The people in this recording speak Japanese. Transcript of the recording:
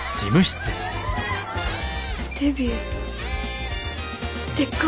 デビューでっか？